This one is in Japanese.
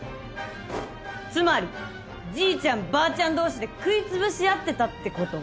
つまりじいちゃんばあちゃん同士で食い潰し合ってたって事？